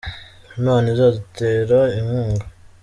Imana izadutera inkunga